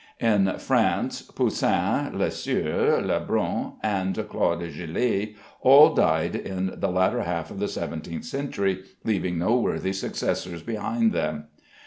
In France, Poussin, Lesueur, Lebrun, and Claude Gelée, all died in the latter half of the seventeenth century, leaving no worthy successors behind them.